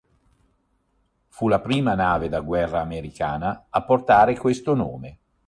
Fu la prima nave da guerra americana a portare questo nome.